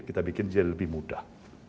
kita bikin jadi lebih mudah